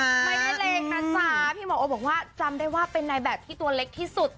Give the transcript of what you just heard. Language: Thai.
ไม่ได้เล็กนะจ๊ะพี่หมอโอบอกว่าจำได้ว่าเป็นนายแบบที่ตัวเล็กที่สุด